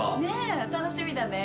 楽しみだね。